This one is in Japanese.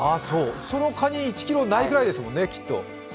そのかに、１ｋｇないぐらいですもんね、きっと。